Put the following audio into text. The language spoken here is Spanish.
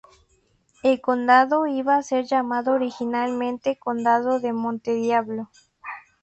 El condado iba a ser llamado originalmente Condado de Monte Diablo.